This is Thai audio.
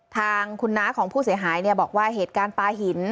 ทางคุณน้าของผู้เสียหายบอกว่าเหตุการณ์ปลาหิน